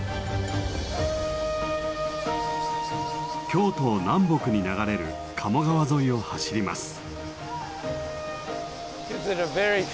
京都を南北に流れる鴨川沿いを走ります。